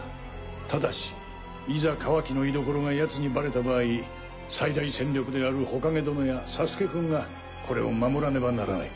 ただしいざカワキの居所がヤツにバレた場合最大戦力である火影殿やサスケくんがこれを守らねばならない。